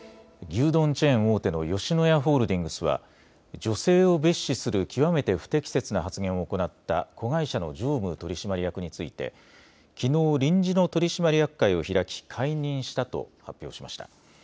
牛丼チェーン大手の吉野家ホールディングスは女性を蔑視する極めて不適切な発言を行った子会社の常務取締役についてきのう臨時の取締役会を開き解任したと発表しました。